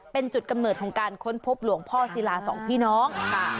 เป็นจุดกำเนิดของการค้นพบหลวงพ่อศิลาสองพี่น้อง